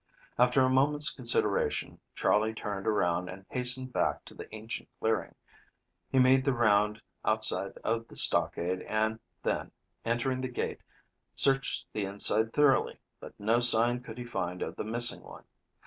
After a moment's consideration, Charley turned around and hastened back to the ancient clearing. He made the round outside of the stockade, and then, entering the gate, searched the inside thoroughly, but no sign could he find of the missing one.